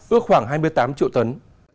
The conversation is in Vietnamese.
ước khoảng hai mươi tám triệu tấn